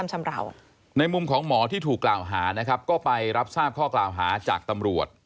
หมอที่ถูกกล่าวหานะครับก็ไปรับทราบข้อกล่าวหาจากตำรวจ